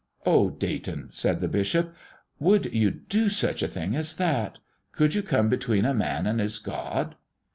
"Oh, Dayton," said the bishop, "could you do such a thing as that? Could you come between a man and his God?"